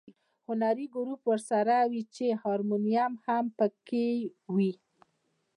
هنري ګروپ ورسره وي چې هارمونیم هم په کې وي.